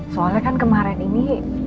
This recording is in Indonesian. soalnya kan kemarin ini